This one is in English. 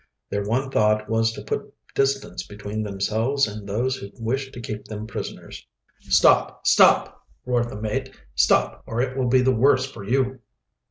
Their one thought was to put distance between themselves and those who wished to keep them prisoners. "Stop! stop!" roared the mate. "Stop, or it will be the worse for you!"